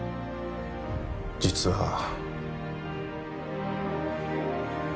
実は。